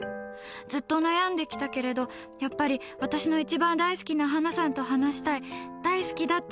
ずっと悩んできたけれどやっぱり私の一番大好きなハナさんと話したい。